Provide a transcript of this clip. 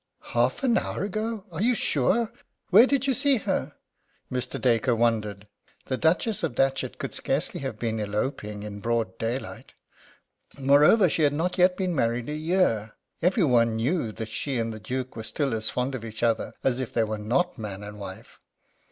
"Half an hour ago! Are you sure? Where did you see her?" Mr. Dacre wondered. The Duchess of Datchet could scarcely have been eloping in broad daylight. Moreover, she had not yet been married a year. Every one knew that she and the Duke were still as fond of each other as if they were not man and wife.